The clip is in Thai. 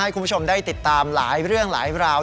คุณผู้ชมได้ติดตามหลายเรื่องหลายราว